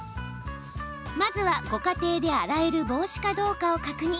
まずは、ご家庭で洗える帽子かどうかを確認。